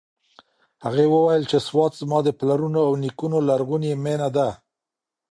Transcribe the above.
هغې وویل چې سوات زما د پلرونو او نیکونو لرغونې مېنه ده.